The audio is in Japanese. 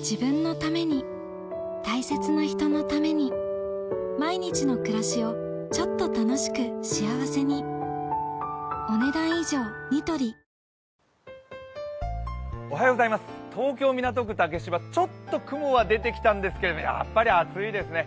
自分のために大切な人のために毎日の暮らしをちょっと楽しく幸せに東京・港区竹芝ちょっと雲は出てきたんですけどやっぱり暑いですね。